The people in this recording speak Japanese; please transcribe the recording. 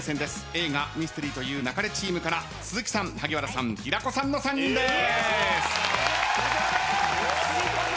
映画ミステリと言う勿れチームから鈴木さん萩原さん平子さんの３人です。